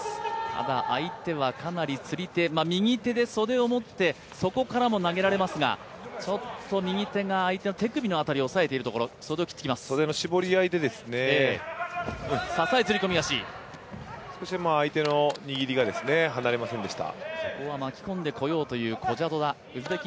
ただ相手はかなり釣り手、右手で袖を持ってそこからも投げられますがちょっと右手が相手の手首の辺りを押さえています、袖を切ってきます袖の絞り合いで、少しでも相手の握りが離れませんでした。